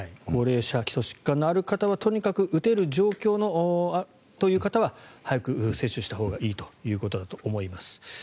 高齢者基礎疾患のある方はとにかく打てる状況という方は早く接種したほうがいいということだと思います。